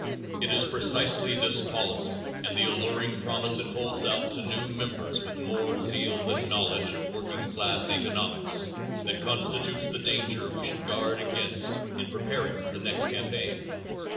It is precisely this policy and the alluring promise it holds out to new members with more zeal than knowledge of working class economics, that constitutes the danger we should guard against in preparing for the next campaign.